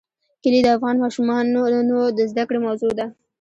کلي د افغان ماشومانو د زده کړې موضوع ده.